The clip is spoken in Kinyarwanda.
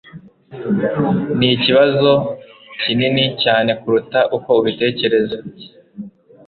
Ni ikibazo kinini cyane kuruta uko ubitekereza.